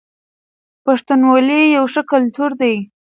پښتونولي يو ښه کلتور دی.